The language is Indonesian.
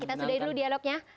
kita sudahin dulu dialognya